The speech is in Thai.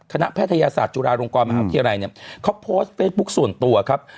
คณะแพทยาศาสตร์จุฬาลงกรมาครับที่อะไรเนี่ยเขาโพสต์เฟสบุ๊คส่วนตัวครับ